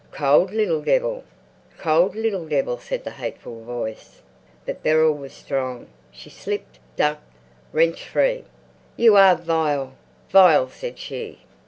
"Cold little devil! Cold little devil!" said the hateful voice. But Beryl was strong. She slipped, ducked, wrenched free. "You are vile, vile," said she.